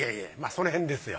そのへんですよ。